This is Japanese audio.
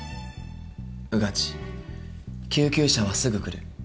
「穿地救急車はすぐ来る。